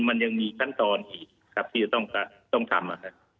มันยังมีขั้นตอนอีกครับที่จะต้องทำ